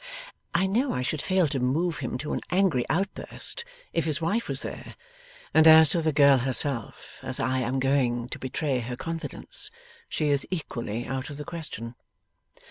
I know I should fail to move him to an angry outburst, if his wife was there. And as to the girl herself as I am going to betray her confidence, she is equally out of the question.